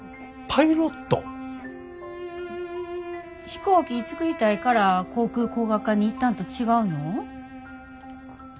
飛行機作りたいから航空工学科に行ったんと違うの？